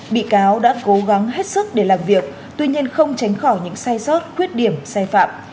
bị cáo đã cố gắng hết sức để làm việc tuy nhiên không tránh khỏi những sai sót khuyết điểm sai phạm